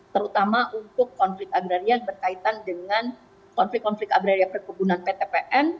terutama untuk konflik agraria berkaitan dengan konflik konflik agraria perkebunan ptpn